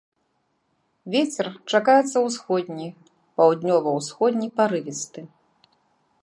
Вецер чакаецца ўсходні, паўднёва-ўсходні парывісты.